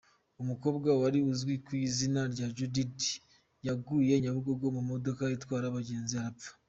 Umukobwa wari uzwi ku izina rya Judith yaguye Nyabugogo mu modoka itwara abagenzi arapfa.